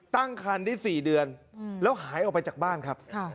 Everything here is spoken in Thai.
ตั้งคันได้๔เดือนแล้วหายออกไปจากบ้านครับ